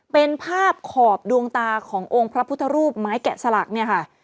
เป็นภาพขอบดวงตาขององค์พระพุทธรูปไม้แกะสลักเนี่ยค่ะ